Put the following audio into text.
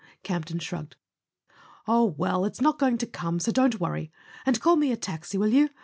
* 9 Campton shrugged. "Oh, well—it's not going to come, so don't worry. And call me a taxi, will you?